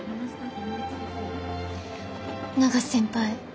永瀬先輩。